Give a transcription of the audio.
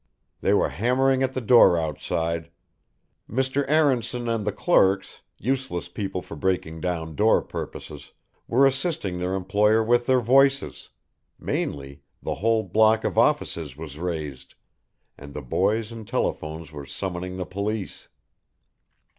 They were hammering at the door outside. Mr. Aaronson and the clerks, useless people for breaking down door purposes, were assisting their employer with their voices mainly, the whole block of offices was raised, and boys and telephones were summoning the police.